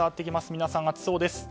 皆さん、暑そうです。